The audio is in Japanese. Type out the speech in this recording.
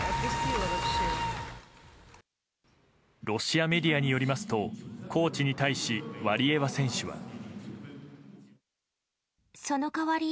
ロシアメディアによりますとコーチに対しワリエワ選手は。